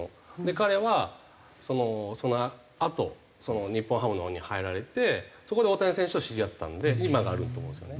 彼はそのあと日本ハムのほうに入られてそこで大谷選手と知り合ったので今があると思うんですよね。